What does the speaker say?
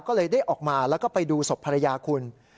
ก็เลยได้ออกมาแล้วก็ไปดูศพภรรยาคุณ